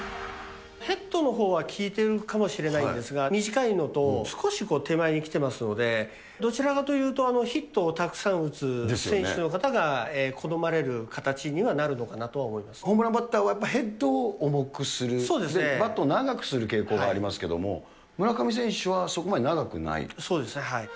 ヘッドのほうはきいてるかもしれないんですが、短いのと、少し手前に来てますので、どちらかというと、ヒットをたくさん打つ選手の方が、好まれる形にはなホームランバッターはやっぱりヘッドを重くする、バットを長くする傾向がありますけれども、村上選手はそこまで長そうですね。